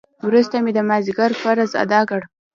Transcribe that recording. وروسته مې د مازديګر فرض ادا کړ.